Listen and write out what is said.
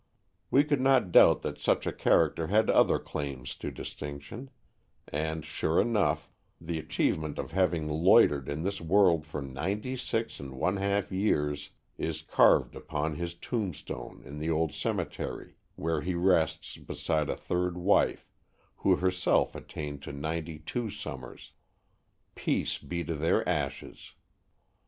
We could not doubt that such a character had other claims to distinction; and sure enough, the achievement of having loitered in this world for ninety six and one half years is carved upon his tombstone in the old cemetery where he rests beside a third wife, who herself attained to ninety two summers! Peace be to their ashes!